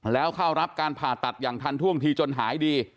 แล้วเข้ารับการผ่าตัดอย่างทันท่วงทีจนหายดี